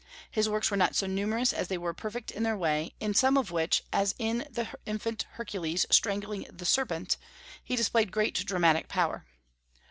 His works were not so numerous as they were perfect in their way, in some of which, as in the Infant Hercules strangling the Serpent, he displayed great dramatic power.